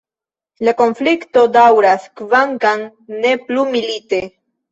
La konflikto daŭras, kvankam ne plu milite.